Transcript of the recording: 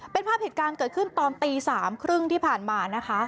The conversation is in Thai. เป็นภาพเหตุการณ์เกิดขึ้นตอนตี๓๓๐ที่ผ่านมานะคะ